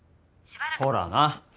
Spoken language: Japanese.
ほらな。